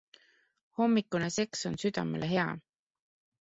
Hommikune seks on südamele hea.